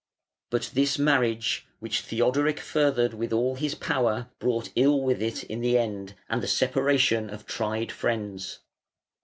But this marriage, which Theodoric furthered with all his power, brought ill with it in the end and the separation of tried friends.